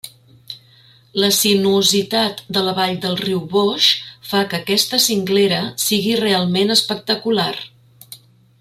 La sinuositat de la vall del riu Boix fa que aquesta cinglera sigui realment espectacular.